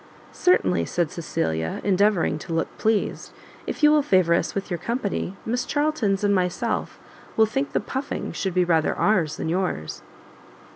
"Certainly," said Cecilia, endeavouring to look pleased, "if you will favour us with your company, Miss Charltons and myself will think the puffing should rather be ours than yours."